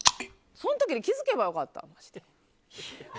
その時に気づけばよかった。